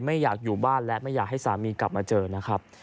ไม่อยากอยู่บ้านและไม่อยากให้สามีกลับมาเจอนะครับ